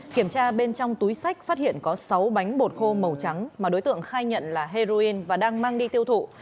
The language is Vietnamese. kiểm tra bên trong túi sách phát hiện có sáu bánh bột khô màu trắng mà đối tượng khai nhận là heroin và đang mang đi tiêu thụ